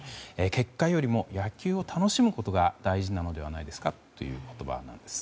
結果よりも野球を楽しむことが大事なのではないですか？という言葉なんです。